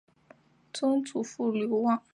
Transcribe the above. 曾祖父刘旺。